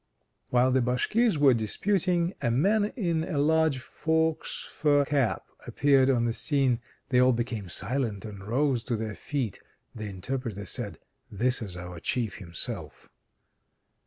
VI While the Bashkirs were disputing, a man in a large fox fur cap appeared on the scene. They all became silent and rose to their feet. The interpreter said, "This is our Chief himself."